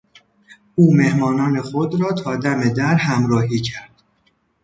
او مهمانان خود را تا دم در همراهی کرد.